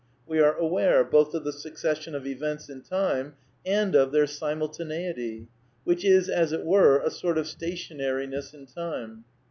We are aware, both of the succession of events in time and of their simultaneity, which is as it were a sort of stationariness in time.